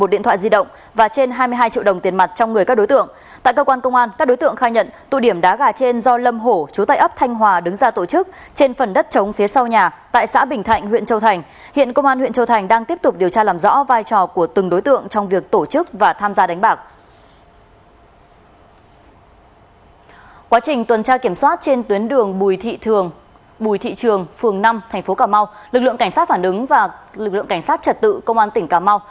lực lượng cảnh sát phản ứng và lực lượng cảnh sát trật tự công an tỉnh cà mau